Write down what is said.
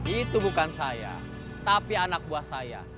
itu bukan saya tapi anak buah saya